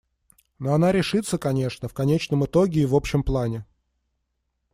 Но она решится, конечно, в конечном итоге и в общем плане.